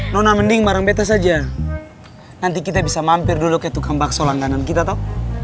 nona mending bareng betes aja nanti kita bisa mampir dulu ke tukang bakso langganan kita tau